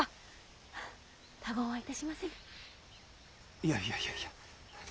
いやいやいやいや。